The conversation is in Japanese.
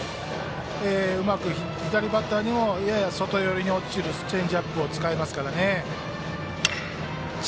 うまく左バッターにもやや外寄りに落ちるチェンジアップを使いますからね。